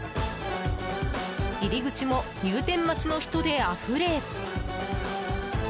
入り口も入店待ちの人であふれ。